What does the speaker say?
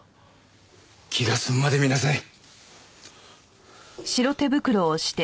気が済むまで見なさい。